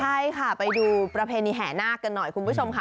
ใช่ค่ะไปดูประเพณีแห่นาคกันหน่อยคุณผู้ชมค่ะ